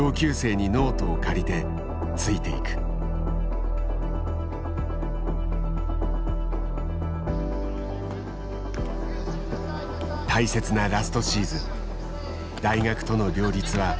大切なラストシーズン大学との両立は簡単ではなかった。